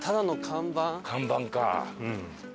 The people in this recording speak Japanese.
看板か。